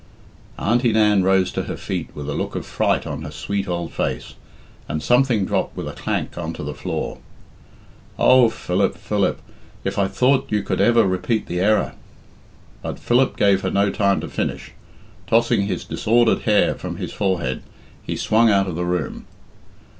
Auntie Nan rose to her feet with a look of fright on her sweet old face, and something dropped with a clank on to the floor. "Oh, Philip, Philip, if I thought you could ever repeat the error " But Philip gave her no time to finish. Tossing his disordered hair from his forehead, he swung out of the room.